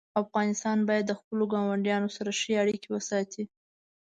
افغانستان باید د خپلو ګاونډیانو سره ښې اړیکې وساتي.